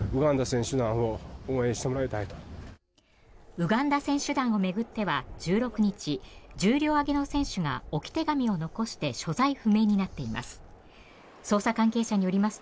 ウガンダ選手団を巡っては１６日重量挙げの選手が置き手紙を残して所在不明になっています。